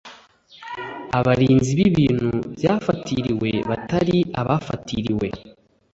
Abarinzi b ibintu byafatiriwe batari abafatiriwe